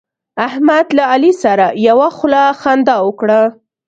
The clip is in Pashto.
احمد له علي سره یوه خوله خندا وکړه.